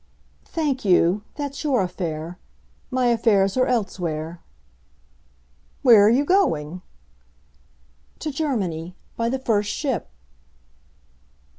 "Thank you; that's your affair. My affairs are elsewhere." "Where are you going?" "To Germany—by the first ship."